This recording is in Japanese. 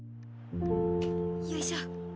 よいしょ。